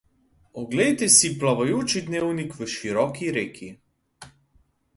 Oglejte si plavajoči dnevnik v široki reki.